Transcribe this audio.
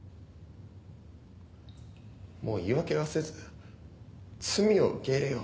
もう言い訳はせず罪を受け入れよう。